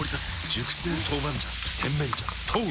熟成豆板醤甜麺醤豆！